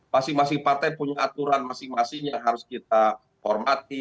masing masing partai punya aturan masing masing yang harus kita hormati